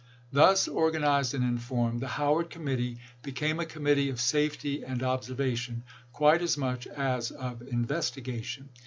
Thus organized and informed, the Howard Committee became a committee of safety and observation, quite as much as of investigation.